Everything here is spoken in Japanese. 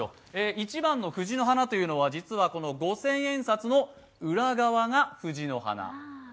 １番の藤の花というのは実はこの五千円札の裏側が藤の花。